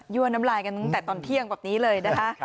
น้ำลายกันตั้งแต่ตอนเที่ยงแบบนี้เลยนะคะ